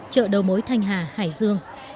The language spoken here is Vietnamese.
trợ đầu mối thanh hà hải dương